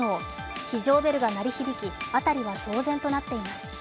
非常ベルが鳴り響き、辺りは騒然となっています。